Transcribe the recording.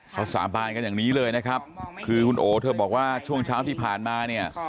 เขาสาบานกันอย่างนี้เลยนะครับคือคุณโอเธอบอกว่าช่วงเช้าที่ผ่านมาเนี่ย